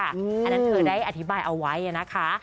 อันนั้นเธอได้อธิบายเอาไว้นะคะ